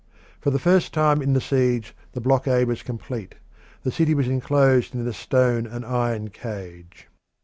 For the first time in the siege the blockade was complete: the city was enclosed in a stone and iron cage.